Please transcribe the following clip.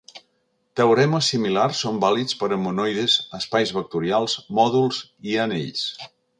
Teoremes similars són vàlids per a monoides, espais vectorials, mòduls i anells.